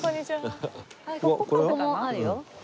ここもあるよ。